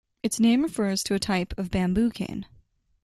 Its name refers to a type of bamboo cane.